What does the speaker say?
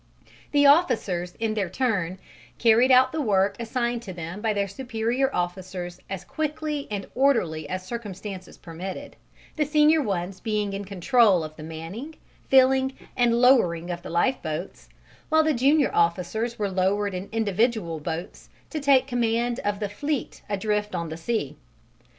The officers, in their turn, carried out the work assigned to them by their superior officers as quickly and orderly as circumstances permitted, the senior ones being in control of the manning, filling and lowering of the lifeboats, while the junior officers were lowered in individual boats to take command of the fleet adrift on the sea.